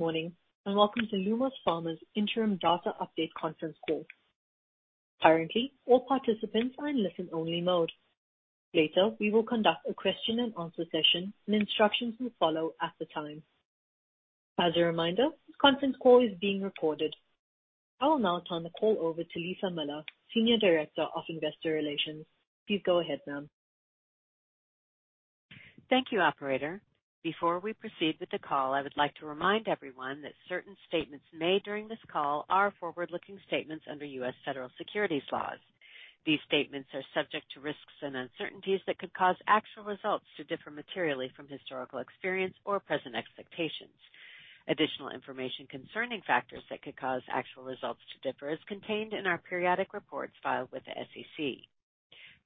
Good morning, and welcome to Lumos Pharma's Interim Data Update conference call. Currently, all participants are in listen-only mode. Later, we will conduct a question-and-answer session, and instructions will follow at the time. As a reminder, this conference call is being recorded. I will now turn the call over to Lisa Miller, Senior Director of Investor Relations. Please go ahead, ma'am. Thank you, Operator. Before we proceed with the call, I would like to remind everyone that certain statements made during this call are forward-looking statements under U.S. federal securities laws. These statements are subject to risks and uncertainties that could cause actual results to differ materially from historical experience or present expectations. Additional information concerning factors that could cause actual results to differ is contained in our periodic reports filed with the SEC.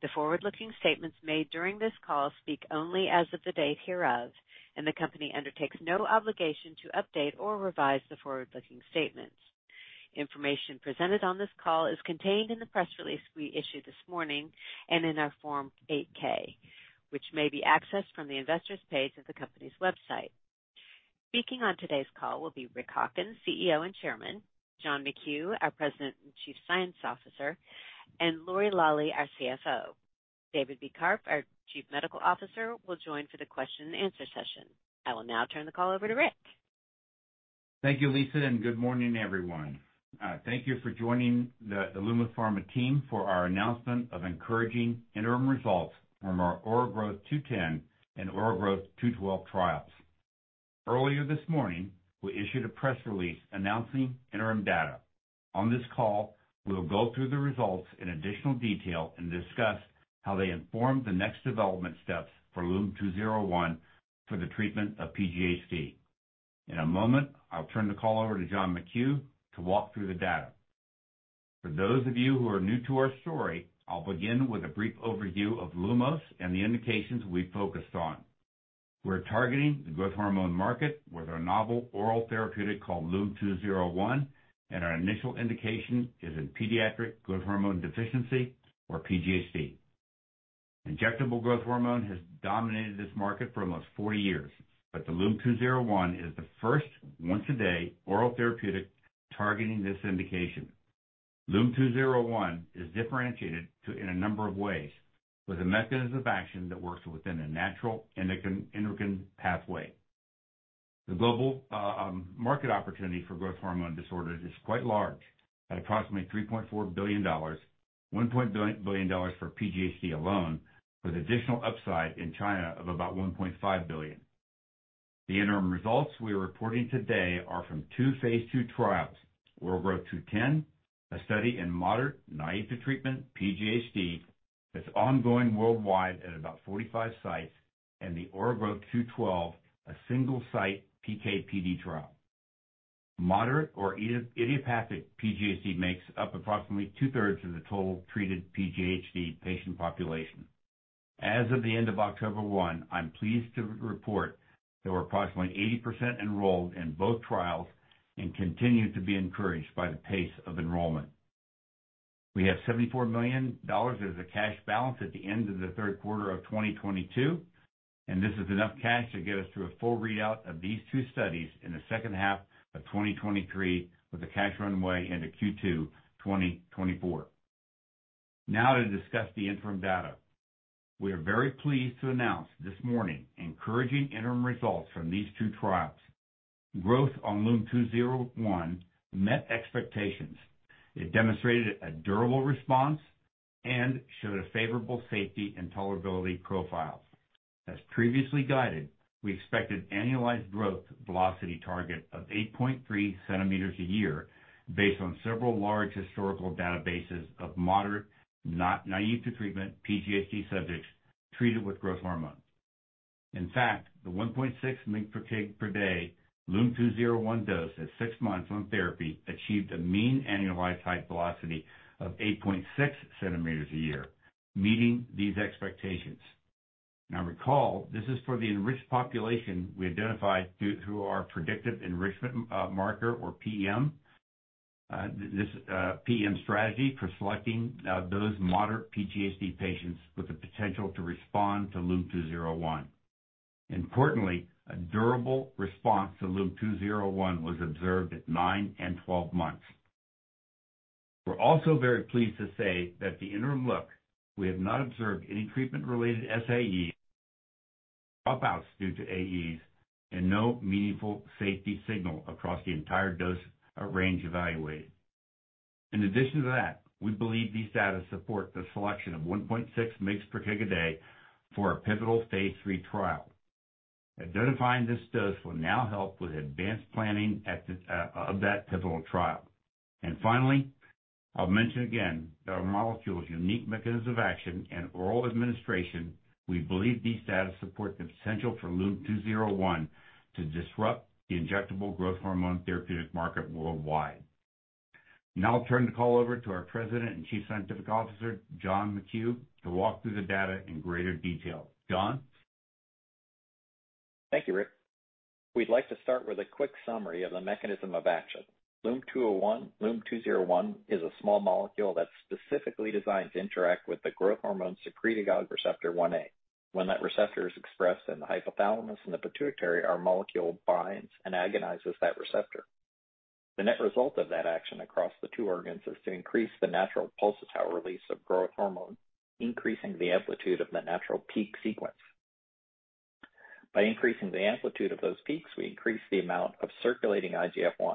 The forward-looking statements made during this call speak only as of the date hereof, and the company undertakes no obligation to update or revise the forward-looking statements. Information presented on this call is contained in the press release we issued this morning and in our Form 8-K, which may be accessed from the Investors page of the company's website. Speaking on today's call will be Rick Hawkins, CEO and Chairman, John McKew, our President and Chief Scientific Officer, and Lori Lawley, our CFO. David B. Karpf, our Chief Medical Officer, will join for the question and answer session. I will now turn the call over to Rick. Thank you, Lisa, and good morning, everyone. Thank you for joining the Lumos Pharma team for our announcement of encouraging interim results from our OraGrowtH210 and OraGrowtH212 trials. Earlier this morning, we issued a press release announcing interim data. On this call, we will go through the results in additional detail and discuss how they inform the next development steps for LUM-201 for the treatment of PGHD. In a moment, I'll turn the call over to John C. McKew to walk through the data. For those of you who are new to our story, I'll begin with a brief overview of Lumos and the indications we focused on. We're targeting the growth hormone market with our novel oral therapeutic called LUM-201, and our initial indication is in pediatric growth hormone deficiency, or PGHD. Injectable growth hormone has dominated this market for almost 40 years, but LUM-201 is the first once-a-day oral therapeutic targeting this indication. LUM-201 is differentiated in a number of ways, with a mechanism of action that works within a natural endogenous pathway. The global market opportunity for growth hormone disorders is quite large, at approximately $3.4 billion, $1 billion for PGHD alone, with additional upside in China of about $1.5 billion. The interim results we are reporting today are from two phase II trials. OraGrowtH210, a study in moderate, naive-to-treatment PGHD that's ongoing worldwide at about 45 sites, and the OraGrowtH212, a single-site PK/PD trial. Moderate or idiopathic PGHD makes up approximately two-thirds of the total treated PGHD patient population. As of the end of October 1, I'm pleased to report that we're approximately 80% enrolled in both trials and continue to be encouraged by the pace of enrollment. We have $74 million as a cash balance at the end of the third quarter of 2022, and this is enough cash to get us through a full readout of these two studies in the second half of 2023, with a cash runway into Q2 2024. Now to discuss the interim data. We are very pleased to announce this morning encouraging interim results from these two trials. Growth on LUM-201 met expectations. It demonstrated a durable response and showed a favorable safety and tolerability profile. As previously guided, we expect an annualized growth velocity target of 8.3 cm a year based on several large historical databases of moderate, not naive-to-treatment PGHD subjects treated with growth hormone. In fact, the 1.6 mg per kg per day LUM-201 dose at six months on therapy achieved a mean annualized height velocity of 8.6 cm a year, meeting these expectations. Now recall, this is for the enriched population we identified through our predictive enrichment marker or PM. This PM strategy for selecting those moderate PGHD patients with the potential to respond to LUM-201. Importantly, a durable response to LUM-201 was observed at nine and 12 months. We're also very pleased to say that the interim look, we have not observed any treatment-related SAEs, dropouts due to AEs, and no meaningful safety signal across the entire dose range evaluated. In addition to that, we believe these data support the selection of 1.6 mg per kg a day for our pivotal phase III trial. Identifying this dose will now help with advanced planning of that pivotal trial. Finally, I'll mention again that our molecule's unique mechanism of action and oral administration, we believe these data support the potential for LUM-201 to disrupt the injectable growth hormone therapeutic market worldwide. Now I'll turn the call over to our President and Chief Scientific Officer, John McKew, to walk through the data in greater detail. John? Thank you, Rick. We'd like to start with a quick summary of the mechanism of action. LUM-201 is a small molecule that's specifically designed to interact with the growth hormone secretagogue receptor 1a. When that receptor is expressed in the hypothalamus and the pituitary, our molecule binds and agonizes that receptor. The net result of that action across the two organs is to increase the natural pulsatile release of growth hormone, increasing the amplitude of the natural peak sequence. By increasing the amplitude of those peaks, we increase the amount of circulating IGF-I.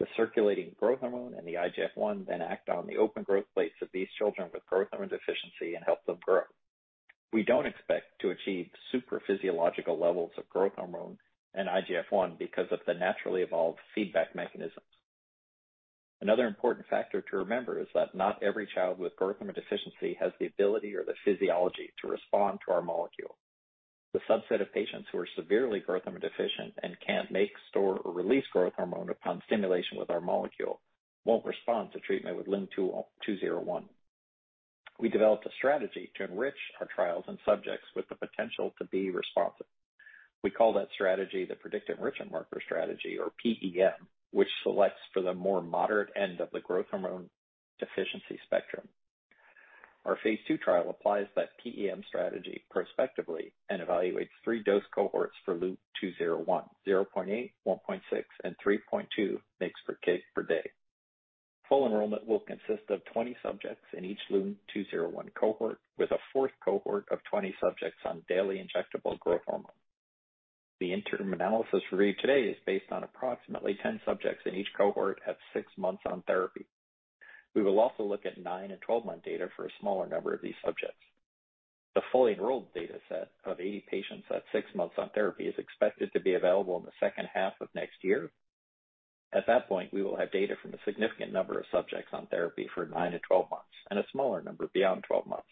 The circulating growth hormone and the IGF-I then act on the open growth plates of these children with growth hormone deficiency and help them grow. We don't expect to achieve super physiological levels of growth hormone and IGF-I because of the naturally evolved feedback mechanisms. Another important factor to remember is that not every child with growth hormone deficiency has the ability or the physiology to respond to our molecule. The subset of patients who are severely growth hormone deficient and can't make, store, or release growth hormone upon stimulation with our molecule won't respond to treatment with LUM-201. We developed a strategy to enrich our trials and subjects with the potential to be responsive. We call that strategy the predictive enrichment marker strategy or PEM, which selects for the more moderate end of the growth hormone deficiency spectrum. Our phase II trial applies that PEM strategy prospectively and evaluates three dose cohorts for LUM-201, 0.8, 1.6, and 3.2 mg/kg/day. Full enrollment will consist of 20 subjects in each LUM-201 cohort with a fourth cohort of 20 subjects on daily injectable growth hormone. The interim analysis reviewed today is based on approximately 10 subjects in each cohort at six months on therapy. We will also look at nine and 12-month data for a smaller number of these subjects. The fully enrolled data set of 80 patients at six months on therapy is expected to be available in the second half of next year. At that point, we will have data from a significant number of subjects on therapy for nine to 12 months and a smaller number beyond 12 months.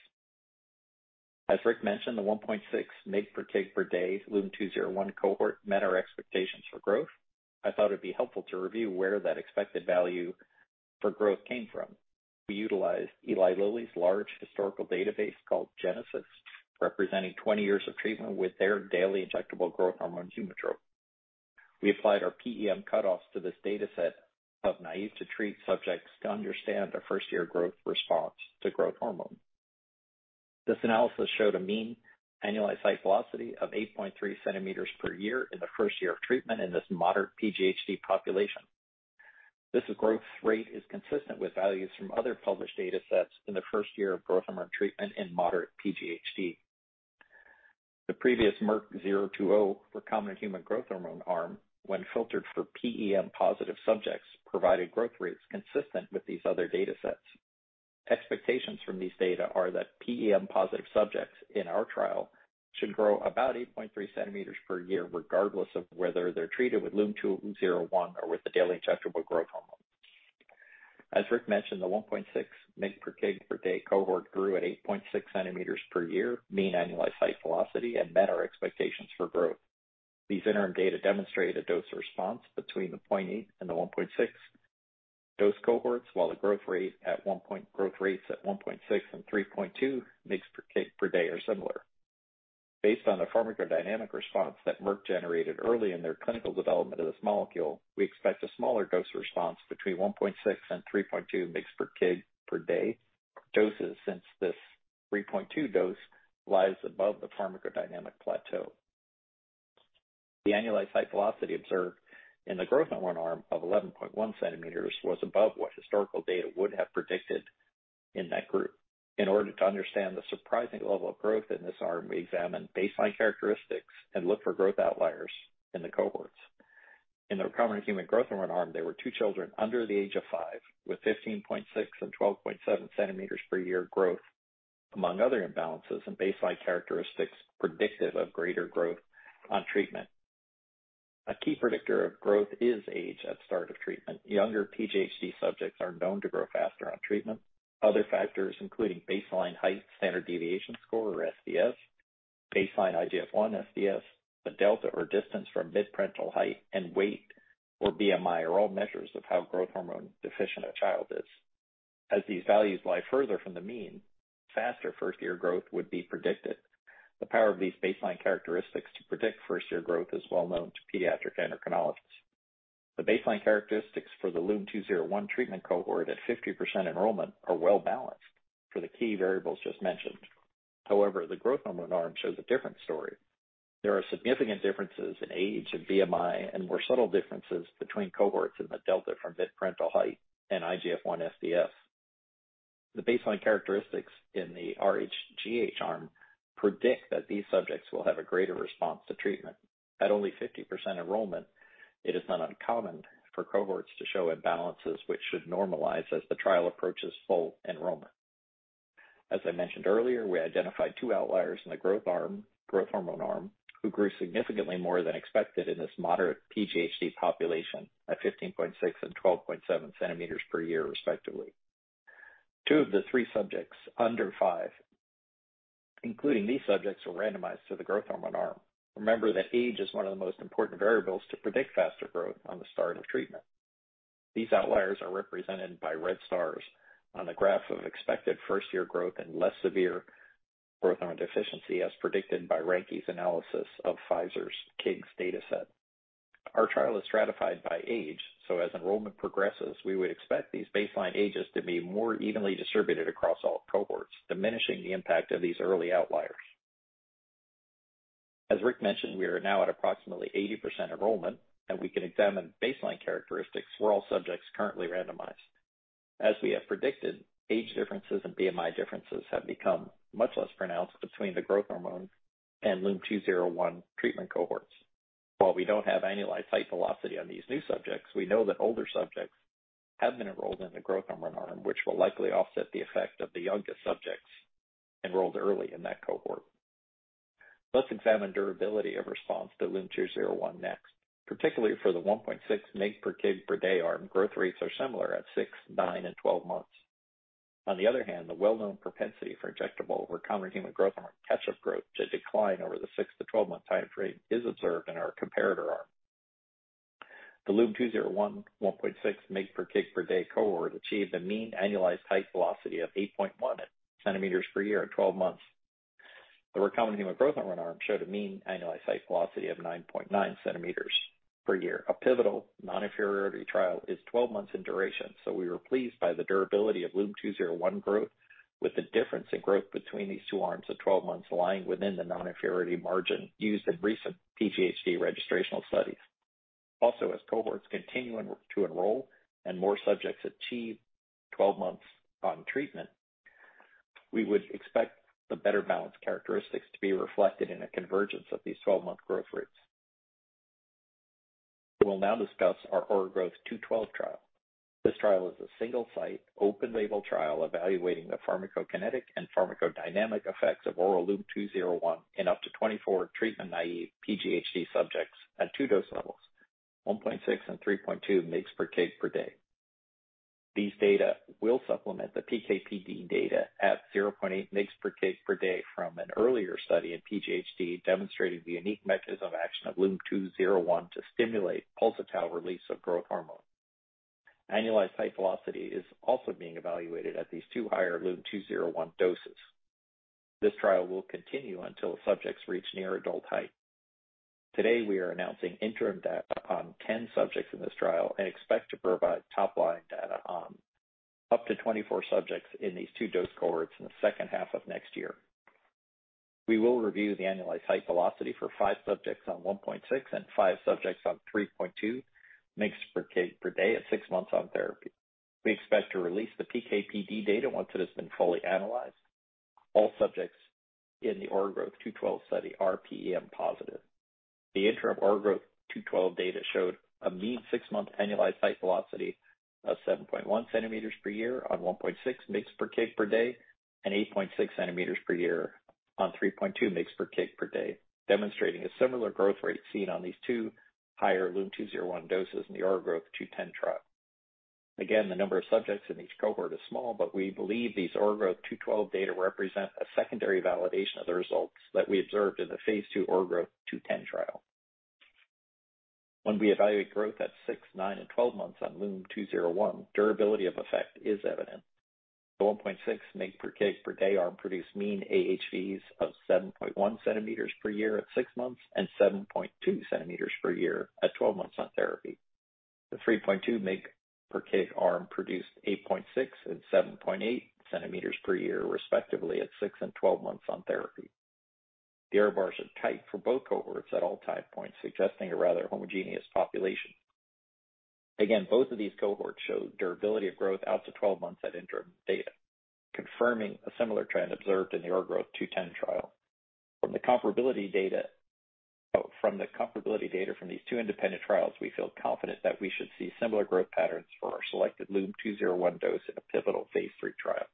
As Rick mentioned, the 1.6 mg per kg per day LUM-201 cohort met our expectations for growth. I thought it'd be helpful to review where that expected value for growth came from. We utilized Eli Lilly's large historical database called GeNeSIS, representing 20 years of treatment with their daily injectable growth hormone, Humatrope. We applied our PEM cut-offs to this data set of naive-to-treat subjects to understand their first-year growth response to growth hormone. This analysis showed a mean annualized height velocity of 8.3 cm per year in the first year of treatment in this moderate PGHD population. This growth rate is consistent with values from other published data sets in the first year of growth hormone treatment in moderate PGHD. The previous Merck 020 recombinant human growth hormone arm when filtered for PEM-positive subjects provided growth rates consistent with these other data sets. Expectations from these data are that PEM-positive subjects in our trial should grow about 8.3 cm per year, regardless of whether they're treated with LUM-201 or with the daily injectable growth hormone. As Rick mentioned, the 1.6 mg per kg per day cohort grew at 8.6 centimeters per year mean annualized height velocity and met our expectations for growth. These interim data demonstrate a dose response between the 0.8 and the 1.6 dose cohorts while the growth rates at 1.6 and 3.2 mg per kg per day are similar. Based on the pharmacodynamic response that Merck generated early in their clinical development of this molecule, we expect a smaller dose response between 1.6 and 3.2 mg per kg per day doses since this 3.2 dose lies above the pharmacodynamic plateau. The annualized height velocity observed in the growth hormone arm of 11.1 cm was above what historical data would have predicted in that group. In order to understand the surprising level of growth in this arm, we examined baseline characteristics and looked for growth outliers in the cohorts. In the recombinant human growth hormone arm, there were two children under the age of five with 15.6 and 12.7 cm per year growth, among other imbalances and baseline characteristics predictive of greater growth on treatment. A key predictor of growth is age at start of treatment. Younger PGHD subjects are known to grow faster on treatment. Other factors including baseline height, standard deviation score or SDS, baseline IGF-I, SDS, the delta or distance from midparental height and weight or BMI are all measures of how growth hormone deficient a child is. As these values lie further from the mean, faster first-year growth would be predicted. The power of these baseline characteristics to predict first-year growth is well known to pediatric endocrinologists. The baseline characteristics for the LUM-201 treatment cohort at 50% enrollment are well balanced for the key variables just mentioned. However, the growth hormone arm shows a different story. There are significant differences in age and BMI and more subtle differences between cohorts in the delta from midparental height and IGF-I SDS. The baseline characteristics in the rhGH arm predict that these subjects will have a greater response to treatment. At only 50% enrollment, it is not uncommon for cohorts to show imbalances which should normalize as the trial approaches full enrollment. As I mentioned earlier, we identified two outliers in the growth arm, growth hormone arm, who grew significantly more than expected in this moderate PGHD population at 15.6 and 12.7 cm per year, respectively. Two of the three subjects under five, including these subjects, were randomized to the growth hormone arm. Remember that age is one of the most important variables to predict faster growth on the start of treatment. These outliers are represented by red stars on the graph of expected first-year growth and less severe growth hormone deficiency as predicted by Ranke's analysis of Pfizer's KIGS data set. Our trial is stratified by age, so as enrollment progresses, we would expect these baseline ages to be more evenly distributed across all cohorts, diminishing the impact of these early outliers. As Rick mentioned, we are now at approximately 80% enrollment, and we can examine baseline characteristics for all subjects currently randomized. As we have predicted, age differences and BMI differences have become much less pronounced between the growth hormone and LUM-201 treatment cohorts. While we don't have annualized height velocity on these new subjects, we know that older subjects have been enrolled in the growth hormone arm, which will likely offset the effect of the youngest subjects enrolled early in that cohort. Let's examine durability of response to LUM-201 next. Particularly for the 1.6 mg per kg per day arm, growth rates are similar at six, nine, and 12 months. On the other hand, the well-known propensity for injectable recombinant human growth hormone catch-up growth to decline over the six-to-12-month time frame is observed in our comparator arm. The LUM-201 1.6 mg per kg per day cohort achieved a mean annualized height velocity of 8.1 cm per year at 12 months. The recombinant human growth hormone arm showed a mean annualized height velocity of 9.9 cm per year. A pivotal non-inferiority trial is 12 months in duration, so we were pleased by the durability of LUM-201 growth, with the difference in growth between these two arms at 12 months lying within the non-inferiority margin used in recent PGHD registrational studies. Also, as cohorts continue to enroll and more subjects achieve 12 months on treatment, we would expect the better balanced characteristics to be reflected in a convergence of these 12-month growth rates. We'll now discuss our OraGrowtH212 trial. This trial is a single site, open label trial evaluating the pharmacokinetic and pharmacodynamic effects of oral LUM-201 in up to 24 treatment naive PGHD subjects at two dose levels, 1.6 and 3.2 mg per kg per day. These data will supplement the PK/PD data at 0.8 mgs per kg per day from an earlier study in PGHD, demonstrating the unique mechanism of action of LUM-201 to stimulate pulsatile release of growth hormone. Annualized height velocity is also being evaluated at these two higher LUM-201 doses. This trial will continue until subjects reach near adult height. Today we are announcing interim data on 10 subjects in this trial and expect to provide top-line data on up to 24 subjects in these two dose cohorts in the second half of next year. We will review the annualized height velocity for five subjects on 1.6 and five subjects on 3.2 mgs per kg per day at six months on therapy. We expect to release the PK/PD data once it has been fully analyzed. All subjects in the OraGrowtH212 study are PEM positive. The interim OraGrowtH212 data showed a mean six-month annualized height velocity of 7.1 cm per year on 1.6 mgs per kg per day, and 8.6 cm per year on 3.2 mgs per kg per day, demonstrating a similar growth rate seen on these two higher LUM-201 doses in the OraGrowtH210 trial. Again, the number of subjects in each cohort is small, but we believe these OraGrowtH212 data represent a secondary validation of the results that we observed in the phase II OraGrowtH210 trial. When we evaluate growth at six, nine, and 12 months on LUM-201, durability of effect is evident. The 1.6 mg per kg per day arm produced mean AHVs of 7.1 cm/year at six months and 7.2 cm/year at 12 months on therapy. The 3.2 mg per kg arm produced 8.6 and 7.8 cm/year respectively at six and 12 months on therapy. The error bars are tight for both cohorts at all time points, suggesting a rather homogeneous population. Both of these cohorts showed durability of growth out to 12 months at interim data, confirming a similar trend observed in the OraGrowtH210 trial. From the comparability data from these two independent trials, we feel confident that we should see similar growth patterns for our selected LUM-201 dose in a pivotal phase III trial.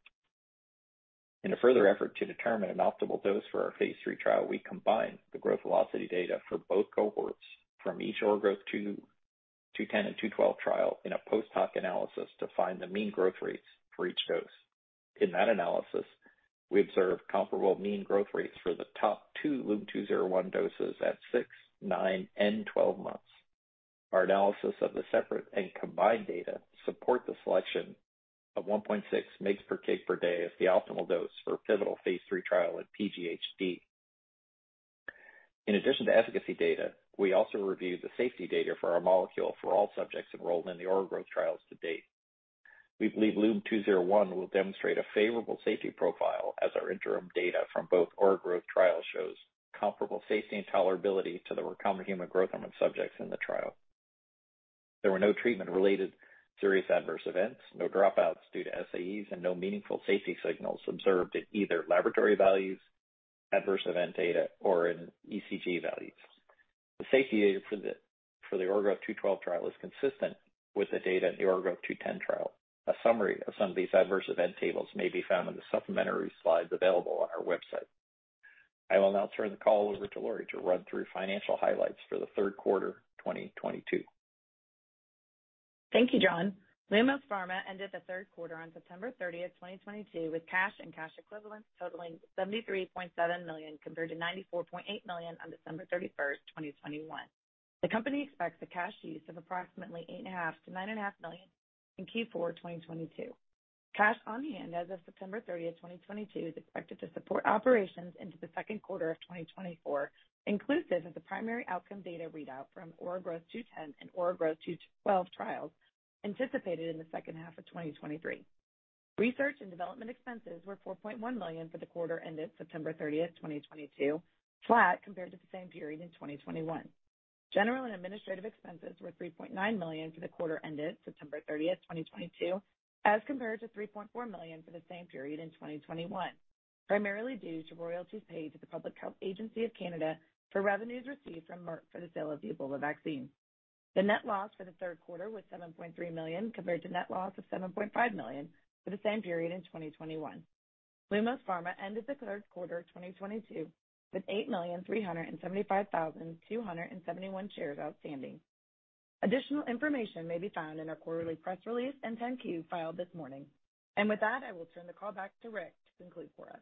In a further effort to determine an optimal dose for our phase III trial, we combined the growth velocity data for both cohorts from each OraGrowtH210 and OraGrowtH212 trial in a post hoc analysis to find the mean growth rates for each dose. In that analysis, we observed comparable mean growth rates for the top two LUM-201 doses at six, nine, and 12 months. Our analysis of the separate and combined data support the selection of 1.6 mg/kg/day as the optimal dose for pivotal phase III trial at PGHD. In addition to efficacy data, we also reviewed the safety data for our molecule for all subjects enrolled in the OraGrowtH trials to date. We believe LUM-201 will demonstrate a favorable safety profile as our interim data from both OraGrowtH trials shows comparable safety and tolerability to the recombinant human growth hormone subjects in the trial. There were no treatment-related serious adverse events, no dropouts due to SAEs, and no meaningful safety signals observed in either laboratory values, adverse event data or in ECG values. The safety data for the OraGrowtH212 trial is consistent with the data in the OraGrowtH210 trial. A summary of some of these adverse event tables may be found in the supplementary slides available on our website. I will now turn the call over to Lori to run through financial highlights for the third quarter 2022. Thank you, John. Lumos Pharma ended the third quarter on September 30th, 2022, with cash and cash equivalents totaling $73.7 million compared to $94.8 million on December 31st, 2021. The company expects a cash use of approximately $8.5-$9.5 million in Q4 2022. Cash on hand as of September 30th, 2022 is expected to support operations into the second quarter of 2024, inclusive of the primary outcome data readout from OraGrowtH210 and OraGrowtH212 trials anticipated in the second half of 2023. Research and development expenses were $4.1 million for the quarter ended September 30th, 2022, flat compared to the same period in 2021. General and administrative expenses were $3.9 million for the quarter ended September 30th, 2022, as compared to $3.4 million for the same period in 2021, primarily due to royalties paid to the Public Health Agency of Canada for revenues received from Merck for the sale of the Ebola vaccine. The net loss for the third quarter was $7.3 million, compared to net loss of $7.5 million for the same period in 2021. Lumos Pharma ended the third quarter of 2022 with 8,375,271 shares outstanding. Additional information may be found in our quarterly press release and 10-Q filed this morning. With that, I will turn the call back to Rick to conclude for us.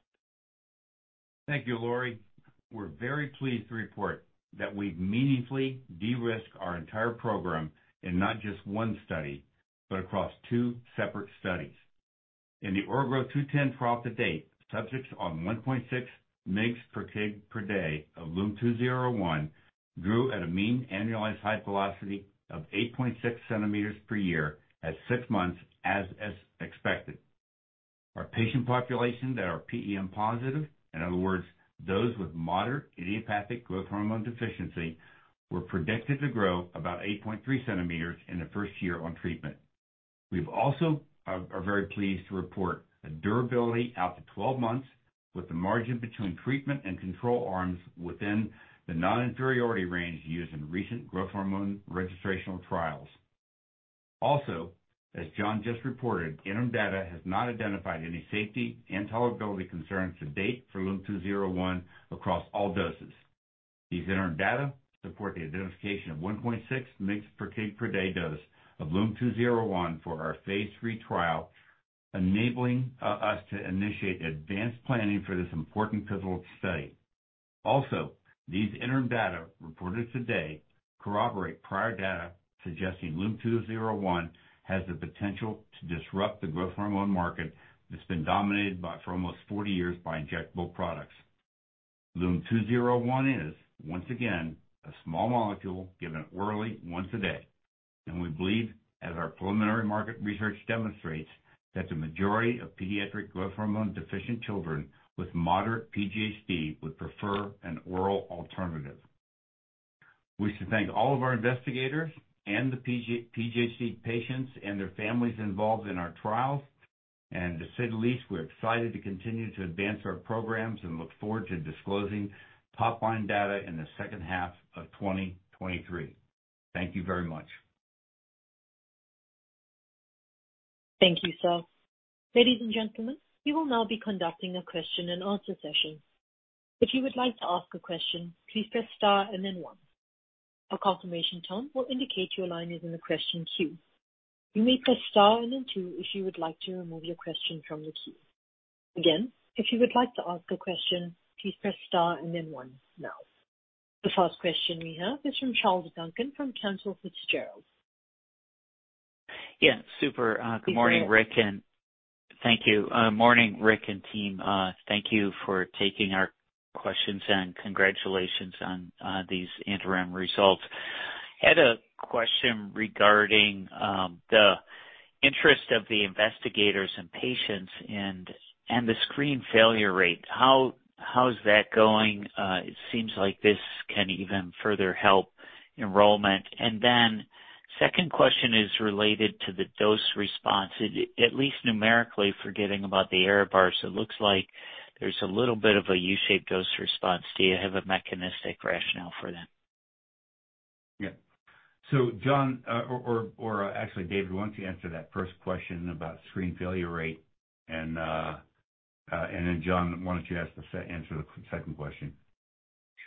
Thank you, Lori. We're very pleased to report that we've meaningfully de-risked our entire program in not just one study, but across two separate studies. In the OraGrowtH210 throughout the data, subjects on 1.6 mg per kg per day of LUM-201 grew at a mean annualized height velocity of 8.6 cm per year at six months, as is expected. Our patient population that are PEM positive, in other words, those with moderate idiopathic growth hormone deficiency, were predicted to grow about 8.3 cm in the first year on treatment. We've also very pleased to report a durability out to 12 months with the margin between treatment and control arms within the non-inferiority range used in recent growth hormone registrational trials. As John just reported, interim data has not identified any safety and tolerability concerns to date for LUM-201 across all doses. These interim data support the identification of 1.6 mg/kg/day dose of LUM-201 for our phase III trial, enabling us to initiate advanced planning for this important pivotal study. Also, these interim data reported today corroborate prior data suggesting LUM-201 has the potential to disrupt the growth hormone market that's been dominated by, for almost 40 years by injectable products. LUM-201 is, once again, a small molecule given orally once a day. We believe, as our preliminary market research demonstrates, that the majority of pediatric growth hormone deficient children with moderate PGHD would prefer an oral alternative. We should thank all of our investigators and the PG-PGHD patients and their families involved in our trials. To say the least, we're excited to continue to advance our programs and look forward to disclosing top-line data in the second half of 2023. Thank you very much. Thank you, sir. Ladies and gentlemen, we will now be conducting a question and answer session. If you would like to ask a question, please press star and then one. A confirmation tone will indicate your line is in the question queue. You may press star and then two if you would like to remove your question from the queue. Again, if you would like to ask a question, please press star and then one now. The first question we have is from Charles Duncan from Cantor Fitzgerald. Yeah. Super. Good morning, Rick, and thank you. Morning, Rick and team. Thank you for taking our questions, and congratulations on these interim results. Had a question regarding the interest of the investigators and patients and the screen failure rate. How is that going? It seems like this can even further help enrollment. Then second question is related to the dose response. At least numerically, forgetting about the error bars, it looks like there's a little bit of a U-shaped dose response. Do you have a mechanistic rationale for that? Yeah. John, actually, David, why don't you answer that first question about screen failure rate? Then John, why don't you answer the second question?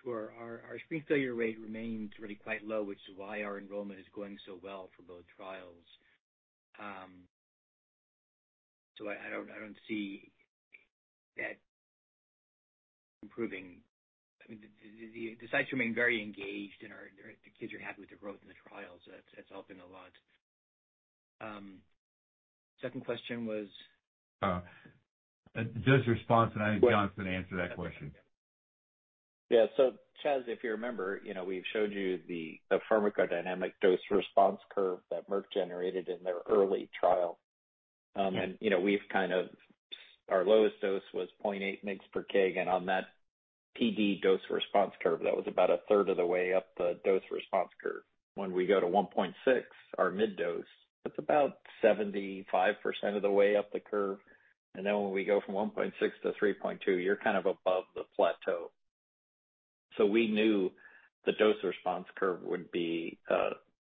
Sure. Our screen failure rate remains really quite low, which is why our enrollment is going so well for both trials. I don't see that improving. I mean, the sites remain very engaged, and the kids are happy with their growth in the trial, so that's helping a lot. Second question was? Dose response, I think John's gonna answer that question. Yeah. Chaz, if you remember, you know, we've showed you the pharmacodynamic dose response curve that Merck generated in their early trial. Our lowest dose was 0.8 mgs per kg. On that PD dose response curve, that was about a third of the way up the dose response curve. When we go to 1.6, our mid dose, that's about 75% of the way up the curve. When we go from 1.6 to 3.2, you're kind of above the plateau. We knew the dose response curve would be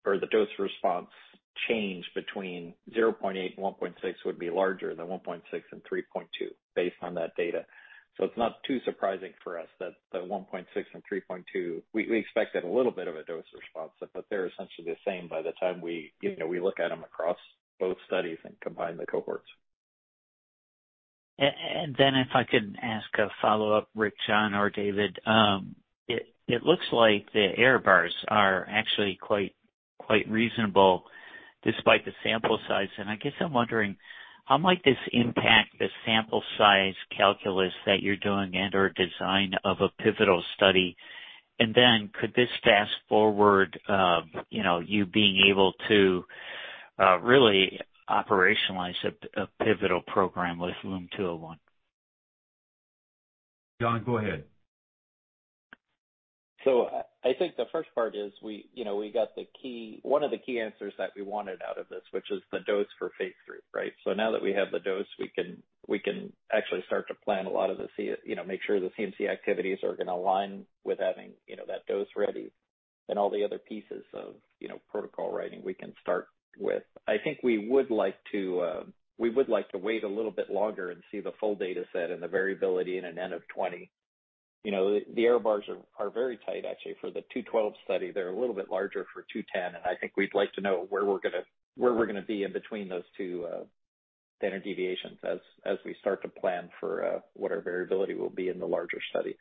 or the dose response change between 0.8 and 1.6 would be larger than 1.6 and 3.2 based on that data. It's not too surprising for us that the 1.6 and 3.2, we expected a little bit of a dose response, but they're essentially the same by the time we, you know, look at them across both studies and combine the cohorts. If I could ask a follow-up, Rick, John or David. It looks like the error bars are actually quite reasonable despite the sample size. I guess I'm wondering, how might this impact the sample size calculus that you're doing and/or design of a pivotal study? Could this fast-forward you being able to really operationalize a pivotal program with LUM-201? John, go ahead. I think the first part is we, you know, we got one of the key answers that we wanted out of this, which is the dose for phase III, right? Now that we have the dose, we can actually start to plan a lot of the CMC, you know, make sure the CMC activities are gonna align with having, you know, that dose ready and all the other pieces of, you know, protocol writing we can start with. I think we would like to wait a little bit longer and see the full data set and the variability in an N of 20. You know, the error bars are very tight actually for the 212 study. They're a little bit larger for 210, and I think we'd like to know where we're gonna be in between those two standard deviations as we start to plan for what our variability will be in the larger study.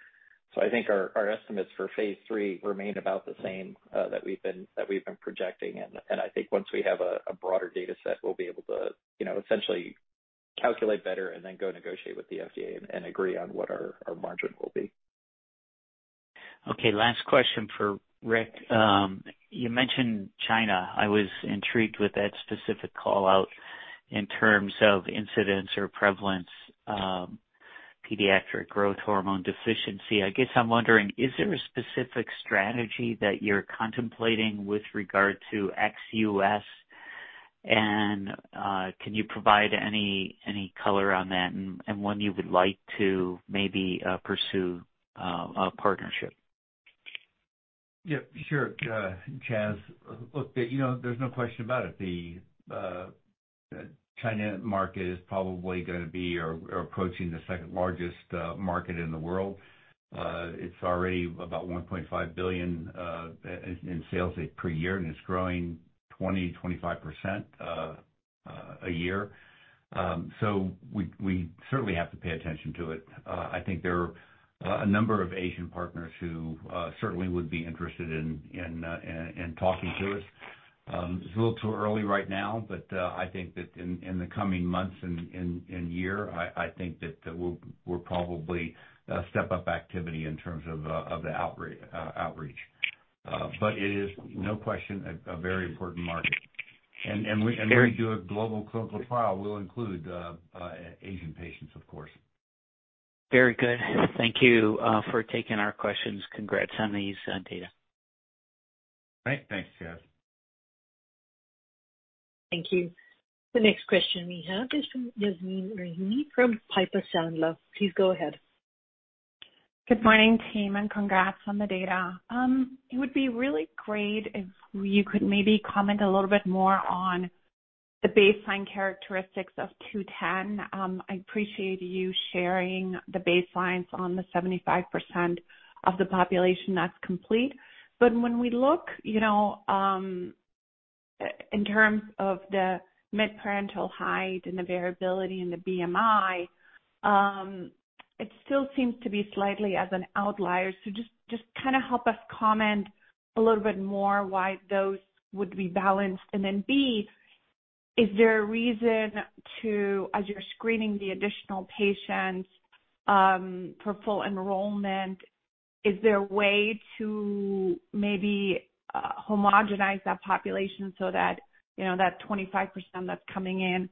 I think our estimates for phase three remain about the same that we've been projecting. I think once we have a broader data set, we'll be able to, you know, essentially calculate better and then go negotiate with the FDA and agree on what our margin will be. Okay. Last question for Rick. You mentioned China. I was intrigued with that specific call-out in terms of incidence or prevalence, pediatric growth hormone deficiency. I guess I'm wondering, is there a specific strategy that you're contemplating with regard to ex-U.S. and, can you provide any color on that and, when you would like to maybe, pursue a partnership? Yeah, sure, Chaz. Look, you know, there's no question about it. The China market is probably gonna be approaching the second-largest market in the world. It's already about $1.5 billion in sales per year, and it's growing 25% a year. So we certainly have to pay attention to it. I think there are a number of Asian partners who certainly would be interested in talking to us. It's a little too early right now, but I think that in the coming months and year, I think that we'll probably step up activity in terms of the outreach. But it is, no question, a very important market. When we do a global clinical trial, we'll include Asian patients, of course. Very good. Thank you for taking our questions. Congrats on these data. Great. Thanks, Chaz. Thank you. The next question we have is from Yasmeen Rahimi from Piper Sandler. Please go ahead. Good morning, team, and congrats on the data. It would be really great if you could maybe comment a little bit more on the baseline characteristics of 210. I appreciate you sharing the baselines on the 75% of the population that's complete. When we look, you know, in terms of the midparental height and the variability in the BMI, it still seems to be slightly as an outlier. Just kinda help us comment a little bit more why those would be balanced. Then B, is there a reason to, as you're screening the additional patients, for full enrollment, is there a way to maybe, homogenize that population so that, you know, that 25% that's coming in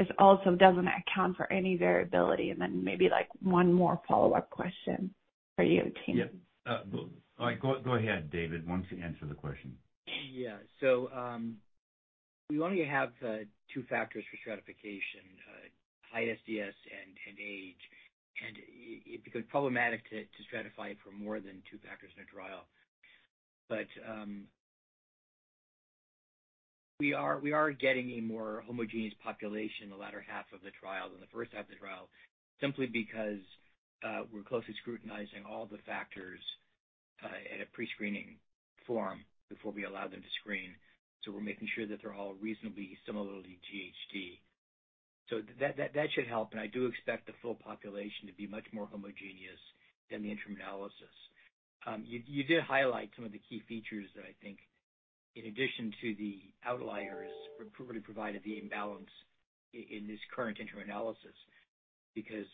is also doesn't account for any variability? Then maybe, like, one more follow-up question for you, team. Yeah. Go ahead, David. Why don't you answer the question? Yeah. We only have two factors for stratification, high SDS and age. It becomes problematic to stratify it for more than two factors in a trial. We are getting a more homogeneous population in the latter half of the trial than the first half of the trial, simply because we're closely scrutinizing all the factors at a pre-screening form before we allow them to screen. We're making sure that they're all reasonably similarly GHD. That should help, and I do expect the full population to be much more homogeneous than the interim analysis. You did highlight some of the key features that I think in addition to the outliers would probably provided the imbalance in this current interim analysis because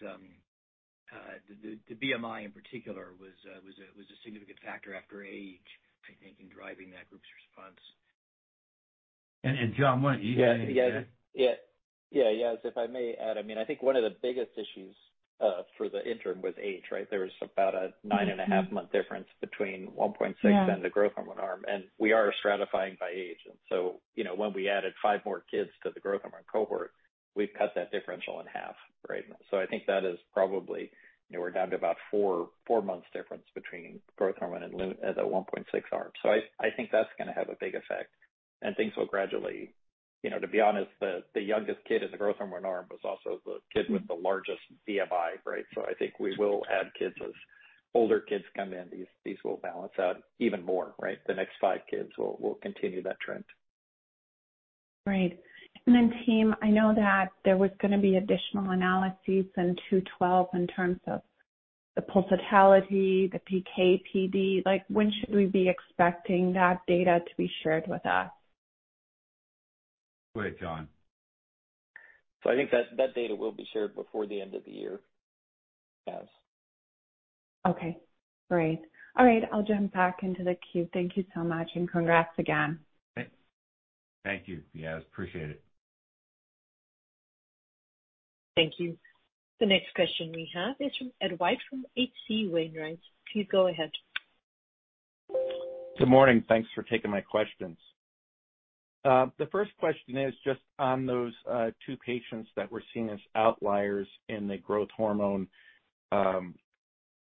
the BMI in particular was a significant factor after age, I think, in driving that group's response. John, why don't you chime in there? Yeah, Yas, if I may add, I mean, I think one of the biggest issues for the interim was age, right? There was about a 9.5-month difference between 1.6- Yeah the growth hormone arm, and we are stratifying by age. You know, when we added five more kids to the growth hormone cohort, we've cut that differential in half, right? I think that is probably, you know, we're down to about four months difference between growth hormone and the 1.6 arm. I think that's gonna have a big effect, and things will gradually. You know, to be honest, the youngest kid in the growth hormone arm was also the kid with the largest BMI, right? I think we will add kids. As older kids come in, these will balance out even more, right? The next five kids will continue that trend. Right. Team, I know that there was gonna be additional analyses in 212 in terms of the pulsatility, the PK/PD. Like, when should we be expecting that data to be shared with us? Go ahead, John. I think that data will be shared before the end of the year, yes. Okay, great. All right. I'll jump back into the queue. Thank you so much, and congrats again. Thank you. Yes, appreciate it. Thank you. The next question we have is from Ed White from H.C. Wainwright. Please go ahead. Good morning. Thanks for taking my questions. The first question is just on those two patients that were seen as outliers in the growth hormone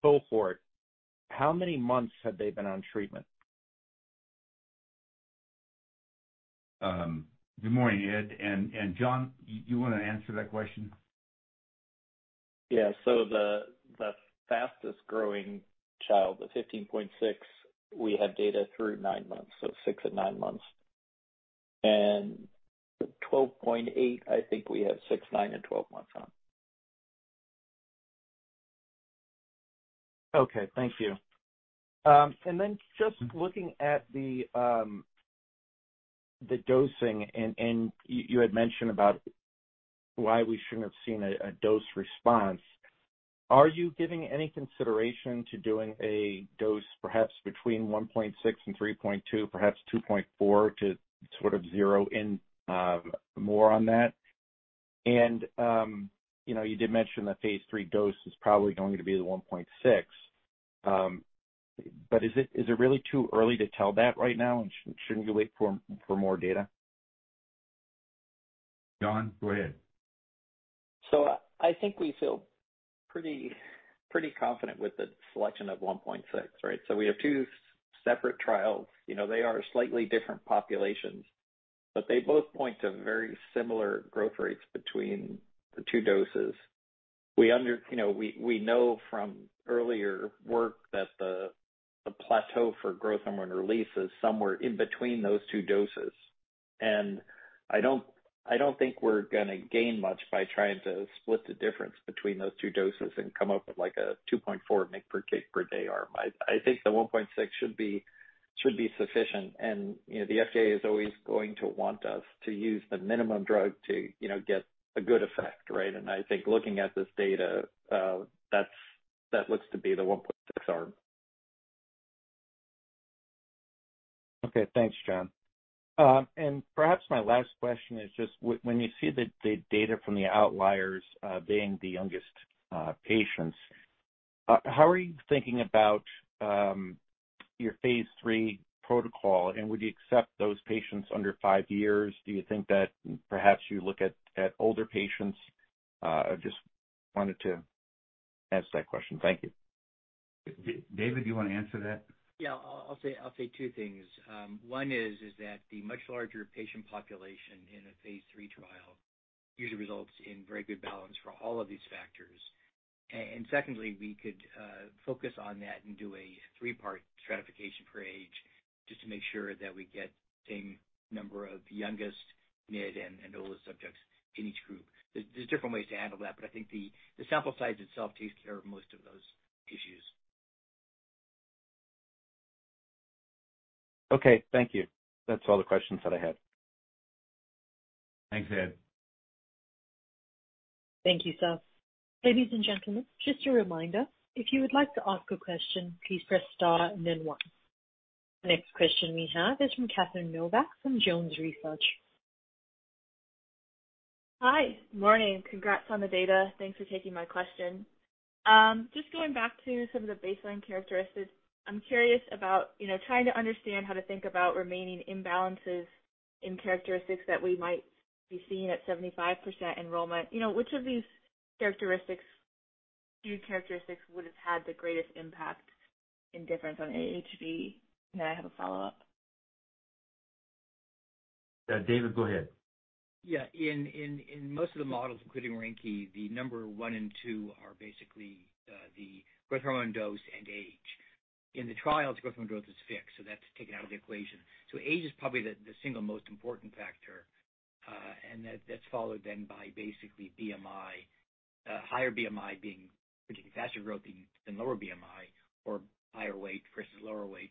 cohort. How many months had they been on treatment? Good morning, Ed. John, you wanna answer that question? Yeah. The fastest-growing child, the 15.6, we have data through nine months, so six and nine months. The 12.8, I think we have six, nine, and 12 months on it. Okay. Thank you. Just looking at the dosing and you had mentioned about why we shouldn't have seen a dose response. Are you giving any consideration to doing a dose perhaps between 1.6-3.2, perhaps 2.4, to sort of zero in more on that? You know, you did mention the phase III dose is probably going to be the 1.6. Is it really too early to tell that right now? Shouldn't you wait for more data? John, go ahead. I think we feel pretty confident with the selection of 1.6, right? We have two separate trials. You know, they are slightly different populations, but they both point to very similar growth rates between the two doses. You know, we know from earlier work that the plateau for growth hormone release is somewhere in between those two doses. I don't think we're gonna gain much by trying to split the difference between those two doses and come up with, like, a 2.4 mg per kg per day arm. I think the 1.6 should be sufficient. You know, the FDA is always going to want us to use the minimum drug to get a good effect, right? I think looking at this data, that looks to be the 1.6 arm. Okay. Thanks, John. Perhaps my last question is just when you see the data from the outliers being the youngest patients, how are you thinking about your phase III protocol? Would you accept those patients under five years? Do you think that perhaps you look at older patients? I just wanted to ask that question. Thank you. David, do you wanna answer that? Yeah. I'll say two things. One is that the much larger patient population in a phase III trial usually results in very good balance for all of these factors. Secondly, we could focus on that and do a three-part stratification for age just to make sure that we get the same number of youngest, mid, and older subjects in each group. There are different ways to handle that, but I think the sample size itself takes care of most of those issues. Okay. Thank you. That's all the questions that I had. Thanks, Ed. Thank you, sir. Ladies and gentlemen, just a reminder, if you would like to ask a question, please press star and then one. The next question we have is from Katherine Milbaugh from Jones Research. Hi. Morning. Congrats on the data. Thanks for taking my question. Just going back to some of the baseline characteristics, I'm curious about, you know, trying to understand how to think about remaining imbalances in characteristics that we might be seeing at 75% enrollment. You know, which of these characteristics, few characteristics would have had the greatest impact in difference on AHV? May I have a follow-up? David, go ahead. Yeah. In most of the models, including Ranke, the number one and two are basically the growth hormone dose and age. In the trials, growth is fixed, so that's taken out of the equation. Age is probably the single most important factor, and that's followed then by basically BMI, higher BMI being predictive faster growth than lower BMI or higher weight versus lower weight.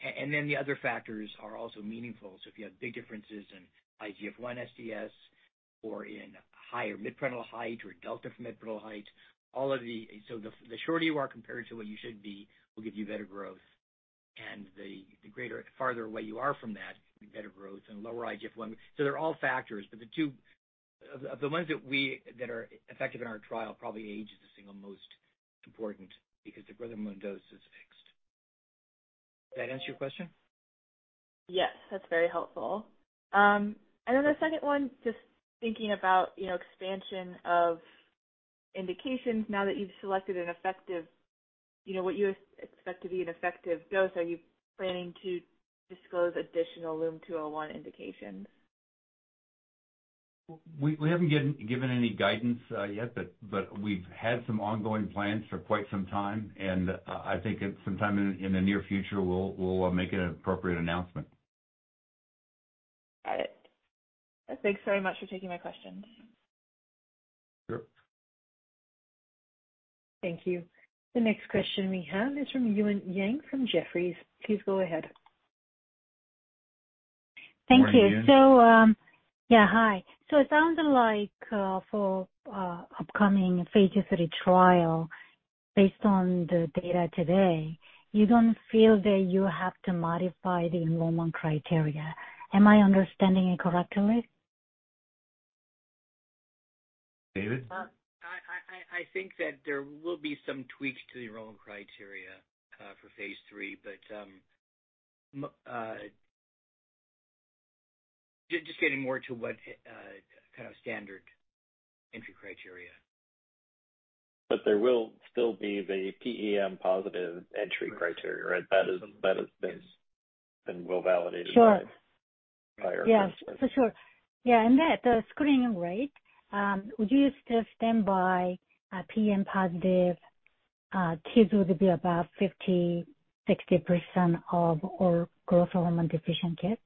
And then the other factors are also meaningful. If you have big differences in IGF-I SDS or in higher midparental height or delta from midparental height. The shorter you are compared to what you should be will give you better growth, and the greater farther away you are from that, the better growth and lower IGF-I. They're all factors, but the two... Of the ones that are effective in our trial, probably age is the single most important because the growth hormone dose is fixed. Did that answer your question? Yes, that's very helpful. Just thinking about, you know, expansion of indications now that you've selected an effective, you know, what you expect to be an effective dose. Are you planning to disclose additional LUM-201 indications? We haven't given any guidance yet, but we've had some ongoing plans for quite some time. I think at some time in the near future, we'll make an appropriate announcement. Got it. Thanks very much for taking my questions. Sure. Thank you. The next question we have is from Eun Yang from Jefferies. Please go ahead. Thank you. Good morning, Eun. Yeah, hi. It sounds like for upcoming phase III trial, based on the data today, you don't feel that you have to modify the enrollment criteria. Am I understanding it correctly? David? I think that there will be some tweaks to the enrollment criteria for phase III, but just getting more to what kind of standard entry criteria. There will still be the PEM positive entry criteria, right? That is, that has been and will validate. Sure. -by prior- Yeah. For sure. Yeah, that screening rate, would you still stand by PEM positive kids would be about 50%-60% of all growth hormone deficient kids?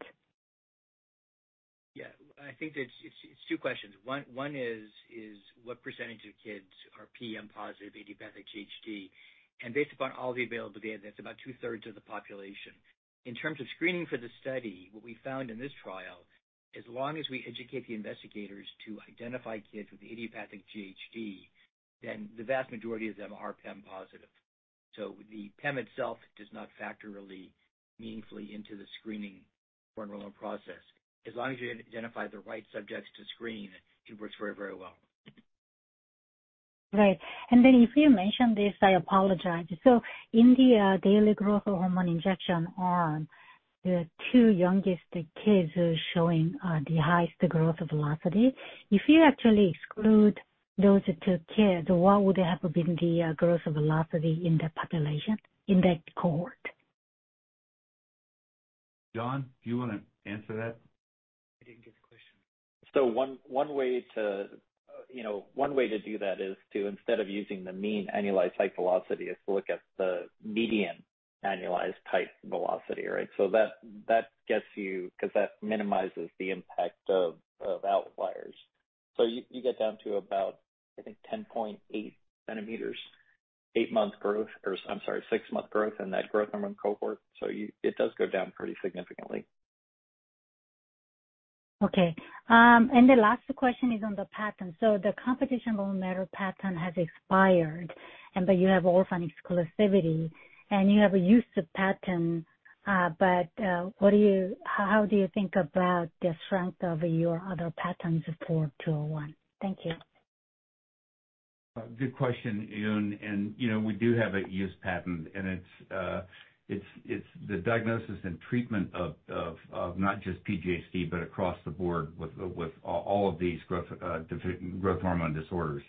Yeah. I think it's two questions. One is what percentage of kids are PEM positive idiopathic GHD? Based upon all the available data, that's about two-thirds of the population. In terms of screening for the study, what we found in this trial, as long as we educate the investigators to identify kids with idiopathic GHD, then the vast majority of them are PEM positive. The PEM itself does not factor really meaningfully into the screening or enrollment process. As long as you identify the right subjects to screen, it works very, very well. Right. If you mentioned this, I apologize. In the daily growth hormone injection arm, the two youngest kids are showing the highest growth velocity. If you actually exclude those two kids, what would have been the growth velocity in the population, in that cohort? John, do you wanna answer that? I didn't get the question. One way to do that is to, instead of using the mean annualized height velocity, is to look at the median annualized height velocity, right? That gets you 'cause that minimizes the impact of outliers. You get down to about, I think, 10.8 cm eight-month growth, or I'm sorry, six-month growth in that growth hormone cohort. It does go down pretty significantly. Okay. The last question is on the patent. The composition of matter patent has expired, but you have orphan exclusivity and you have a use patent. How do you think about the strength of your other patents for 201? Thank you. Good question, Eun. You know, we do have a use patent, and it's the diagnosis and treatment of not just PGHD, but across the board with all of these growth hormone disorders.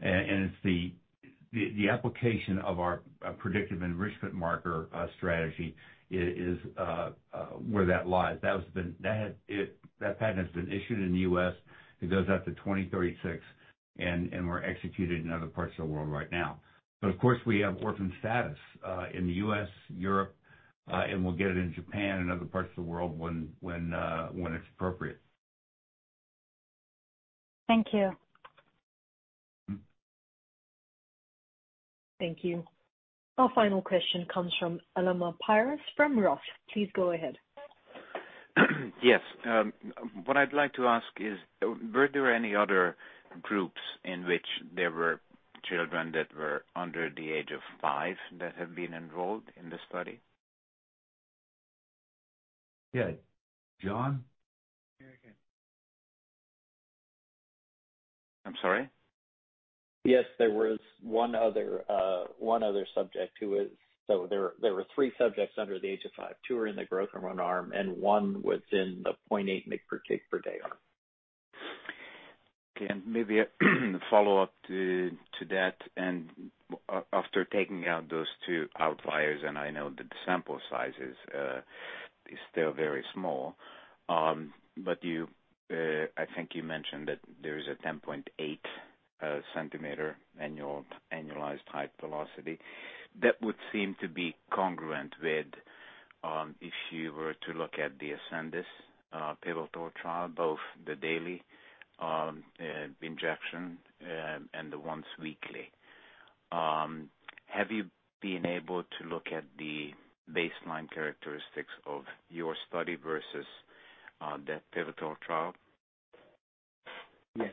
It's the application of our predictive enrichment marker strategy is where that lies. That patent has been issued in the U.S. It goes out to 2036 and we're prosecuting in other parts of the world right now. Of course, we have orphan status in the U.S., Europe, and we'll get it in Japan and other parts of the world when it's appropriate. Thank you. Mm-hmm. Thank you. Our final question comes from Elemer Piros from ROTH. Please go ahead. Yes. What I'd like to ask is, were there any other groups in which there were children that were under the age of five that have been enrolled in the study? Yeah. John? Very good. I'm sorry? Yes, there was one other subject who was. There were three subjects under the age of five. Two are in the growth hormone arm and one was in the 0.8 mg per kg per day arm. Okay. Maybe a follow-up to that. After taking out those two outliers, I know that the sample size is still very small. But I think you mentioned that there is a 10.8 cm annualized height velocity. That would seem to be congruent with if you were to look at the Ascendis pivotal trial, both the daily injection and the once weekly. Have you been able to look at the baseline characteristics of your study versus that pivotal trial? Yes.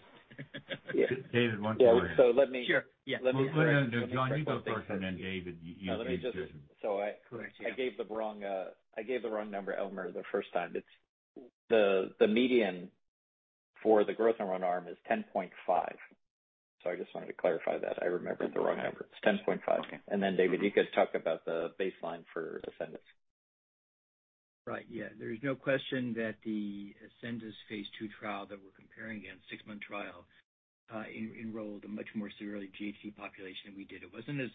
David, why don't you- Yeah. Sure, yeah. Well, no. John, you go first, and then David, you. No, so I Correct, yeah. I gave the wrong number, Elemer, the first time. It's the median for the growth hormone arm is 10.5. I just wanted to clarify that. I remembered the wrong number. It's 10.5. Okay. David, you could talk about the baseline for Ascendis. Right. Yeah. There's no question that the Ascendis phase II trial that we're comparing against, six-month trial, enrolled a much more severely GHD population than we did. It wasn't as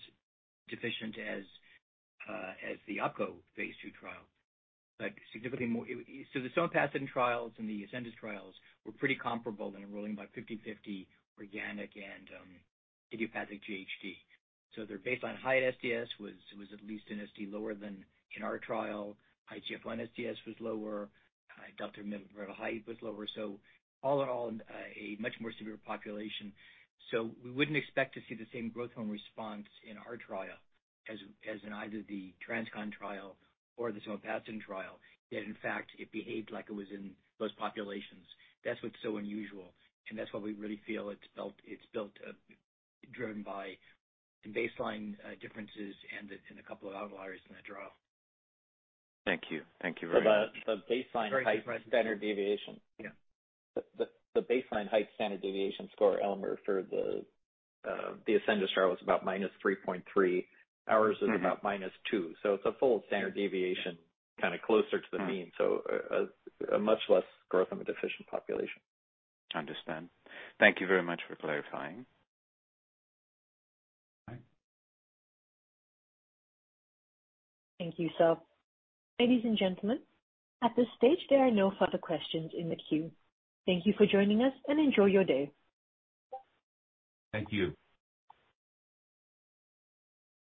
deficient as the OPKO phase II trial, but significantly more. The Stonepath trials and the Ascendis trials were pretty comparable in enrolling about 50/50 organic and idiopathic GHD. Their baseline height SDS was at least an SD lower than in our trial. IGF-1 SDS was lower. Adult height was lower. All in all, a much more severe population. We wouldn't expect to see the same growth hormone response in our trial as in either the TransCon trial or the Stonepath trial, yet in fact, it behaved like it was in those populations. That's what's so unusual, and that's why we really feel it's built, driven by baseline differences and in a couple of outliers in the trial. Thank you. Thank you very much. Sorry, go ahead. The baseline height standard deviation. Yeah. The baseline height standard deviation score, Elemer, for the Ascendis trial was about -3.3. Ours is about -2. It's a full standard deviation, kinda closer to the mean. A much less growth hormone deficient population. Understand. Thank you very much for clarifying. All right. Thank you. Ladies and gentlemen, at this stage, there are no further questions in the queue. Thank you for joining us and enjoy your day. Thank you.